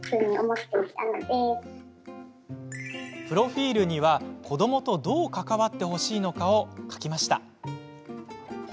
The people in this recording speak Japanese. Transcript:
プロフィールには、子どもとどう関わってほしいのかを書きました。